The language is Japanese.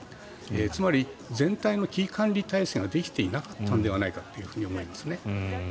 つまり、全体の危機管理体制ができていなかったんじゃないかと思いますね。